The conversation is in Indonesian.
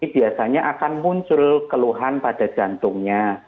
biasanya akan muncul keluhan pada jantungnya